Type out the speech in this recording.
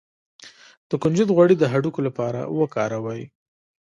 د کنجد غوړي د هډوکو لپاره وکاروئ